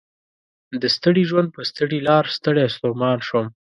د ستړي ژوند په ستړي لار ستړی ستومان شوم